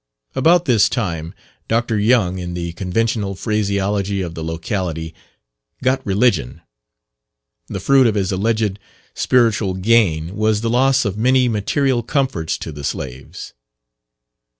About this time Dr. Young, in the conventional phraseology of the locality, "got religion." The fruit of his alleged spiritual gain, was the loss of many material comforts to the slaves.